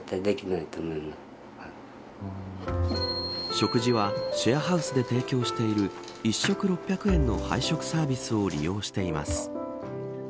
食事はシェアハウスで提供している一食６００円の配食サービスを利用しています。